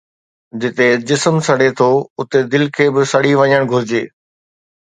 جتي جسم سڙي ٿو اتي دل کي به سڙي وڃڻ گهرجي